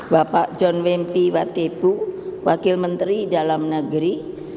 bapak john wempi watepu wakil menteri dalam negeri